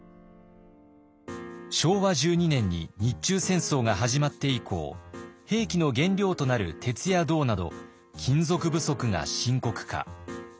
昭和１２年に日中戦争が始まって以降兵器の原料となる鉄や銅など金属不足が深刻化。